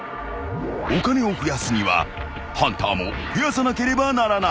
［お金を増やすにはハンターも増やさなければならない］